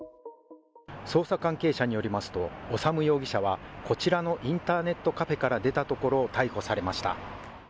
捜査関係者によりますと、修容疑者はこちらのインターネットカフェから出たところを逮捕されました。